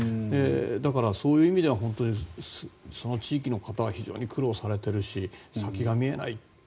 だから、そういう意味ではその地域の方は非常に苦労されているし先が見えないので